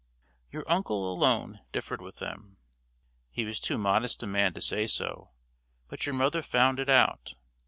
Your uncle alone differed with them. He was too modest a man to say so, but your mother found it out.